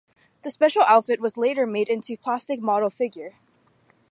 The special outfit was later made into plastic model figure.